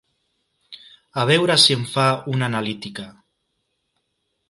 A veure si em fa una analítica.